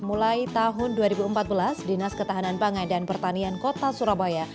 mulai tahun dua ribu empat belas dinas ketahanan pangan dan pertanian kota surabaya